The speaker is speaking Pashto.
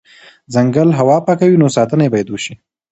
ځنګل هوا پاکوي، نو ساتنه یې بایدوشي